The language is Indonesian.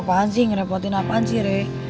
ih lo apaan sih ngerepotin apaan sih reh